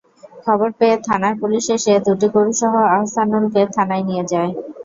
খবর পেয়ে থানার পুলিশ এসে দুটি গরুসহ আহসানুলকে থানায় নিয়ে যায়।